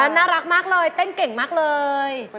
น่ารักมากเลยเต้นเก่งมากเลย